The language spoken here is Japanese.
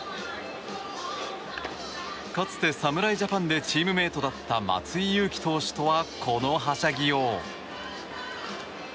かつて侍ジャパンでチームメートだった松井裕樹投手とはこのはしゃぎよう。